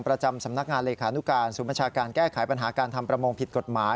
ประจำสำนักงานเลขานุการศูนย์บัญชาการแก้ไขปัญหาการทำประมงผิดกฎหมาย